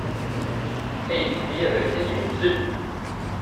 Aydi-nni aberkan yuzzel.